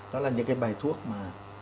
đó là những cái bài thuốc mà